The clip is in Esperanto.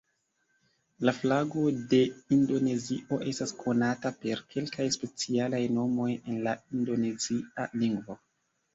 La flago de Indonezio estas konata per kelkaj specialaj nomoj en la indonezia lingvo.